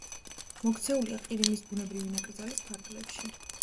მოქცეულია ყირიმის ბუნებრივი ნაკრძალის ფარგლებში.